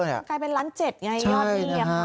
กลายเป็นร้านเจ็ดไงยอดนี้